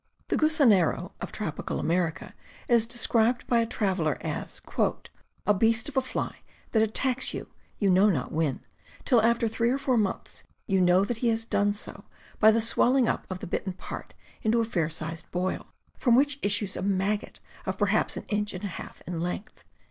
The gusanero of tropical America is described by a traveler as "a beast of a fly that attacks you, you know not when, till after three or four months you know that he has done so by the swelling up of the bitten part into a fair sized boil, from which issues a maggot of perhaps an inch and a half in length."